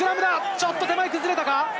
ちょっと手前、崩れたか？